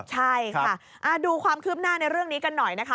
ใช่ค่ะดูความคืบหน้าในเรื่องนี้กันหน่อยนะคะ